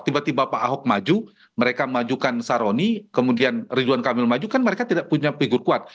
tiba tiba pak ahok maju mereka majukan saroni kemudian ridwan kamil maju kan mereka tidak punya figur kuat